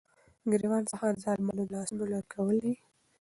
ګريوان څخه دظالمانو دلاسونو ليري كول دي ،